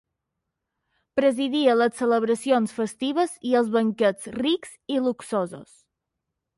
Presidia les celebracions festives i els banquets rics i luxosos.